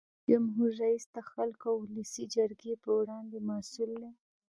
جمهور رئیس د خلکو او ولسي جرګې په وړاندې مسؤل دی.